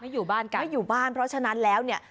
อยู่บ้านกันไม่อยู่บ้านเพราะฉะนั้นแล้วเนี่ย